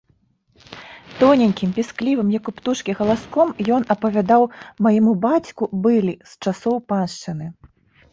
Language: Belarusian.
Тоненькім, пісклівым, як у птушкі, галаском ён апавядаў майму бацьку былі з часоў паншчыны.